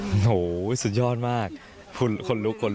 โหสุดยอดมากคนลุก